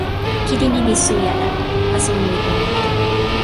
kili ni li suwi ala, taso ona li pona mute.